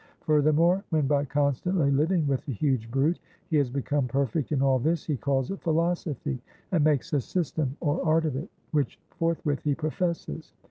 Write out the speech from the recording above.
Furthermore, when, by constantly living with the huge brute, he has become perfect in all this, he calls it philosophy, and makes a system or art of it, which forthwith he professes.